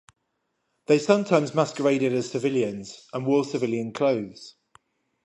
They sometimes masqueraded as civilians and wore civilian clothes.